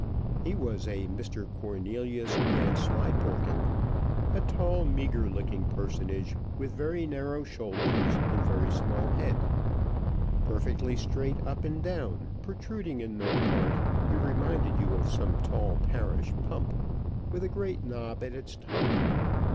He was a Mr Cornelius Vanslyperken, a tall, meagre looking personage, with very narrow shoulders and very small head. Perfectly straight up and down, protruding in no part, he reminded you of some tall parish pump, with a great knob at its top.